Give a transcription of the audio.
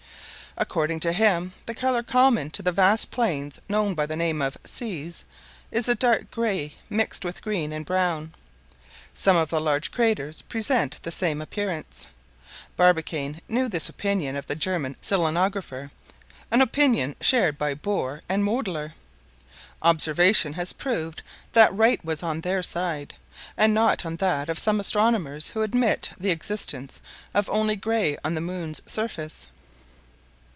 According to him, the color common to the vast plains known by the name of "seas" is a dark gray mixed with green and brown. Some of the large craters present the same appearance. Barbicane knew this opinion of the German selenographer, an opinion shared by Boeer and Moedler. Observation has proved that right was on their side, and not on that of some astronomers who admit the existence of only gray on the moon's surface.